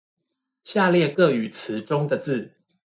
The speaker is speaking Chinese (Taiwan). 下列各語詞中的字